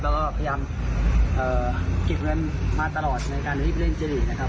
แล้วก็พยายามเก็บเงินมาตลอดในการที่ไปเล่นเจลีกนะครับ